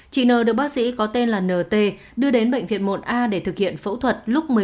chị n được bác sĩ có tên là nt đưa đến bệnh viện một a để thực hiện phẫu thuật